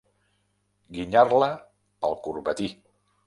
Guinyar-la pel corbatí.